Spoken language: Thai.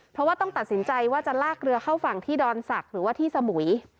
เพราะว่าต้องตัดสินใจว่าจะลากเรือเข้าฝั่งที่ดอนศักดิ์หรือว่าที่สมุย